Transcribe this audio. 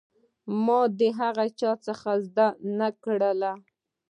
ما د هغه چا څخه هېڅ زده نه کړل.